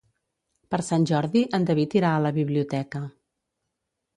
Per Sant Jordi en David irà a la biblioteca.